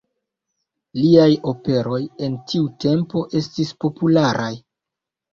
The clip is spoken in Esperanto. Liaj operoj en tiu tempo estis popularaj.